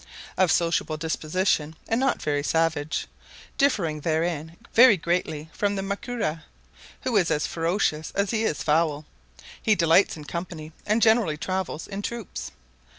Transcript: Of sociable disposition, and not very savage, differing therein very greatly from the mucura, who is as ferocious as he is foul, he delights in company, and generally travels in troops.